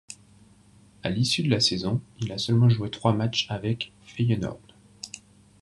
À l'issue de la saison, il a seulement joué trois matchs avec Feyenoord.